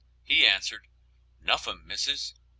he answered, "Noffing, missis."